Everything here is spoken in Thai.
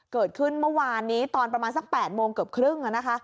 เกิดขึ้นเมื่อวานนี้ตอนประมาณสัก๘โมงเกือบครึ่ง